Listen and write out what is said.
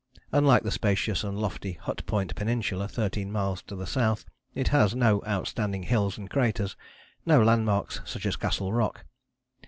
Unlike the spacious and lofty Hut Point Peninsula, thirteen miles to the south, it has no outstanding hills and craters; no landmarks such as Castle Rock.